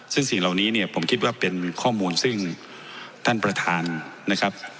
ซึ่งสิ่งเหล่านี้เนี่ยผมคิดว่าเป็นข้อมูลซึ่งท่านประธานนะครับ